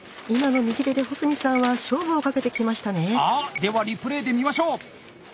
ではリプレーで見ましょう。